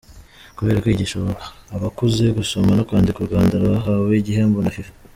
Kubera kwigisha abakuze gusoma no kwandik Urwanda rwahawe igihembo Na Fifa